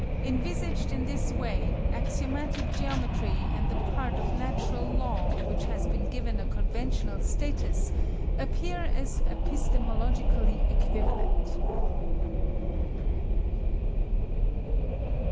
Envisaged in this way, axiomatic geometry and the part of natural law which has been given a conventional status appear as epistemologically equivalent.